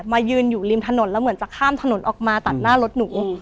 มายืนอยู่ริมถนนแล้วเหมือนจะข้ามถนนออกมาตัดหน้ารถหนู